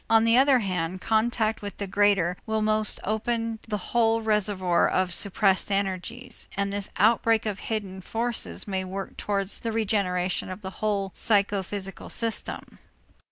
On the other hand, contact with the greater will must open the whole reservoir of suppressed energies, and this outbreak of hidden forces may work towards the regeneration of the whole psychophysical system.